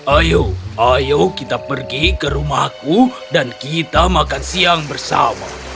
ayo ayo kita pergi ke rumahku dan kita makan siang bersama